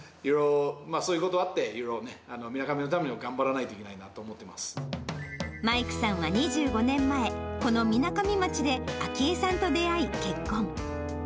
そういうことあっていろいろね、みなかみのために頑張らないといマイクさんは２５年前、このみなかみ町で昭栄さんと出会い結婚。